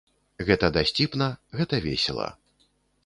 Гэта дасціпна, гэта весела.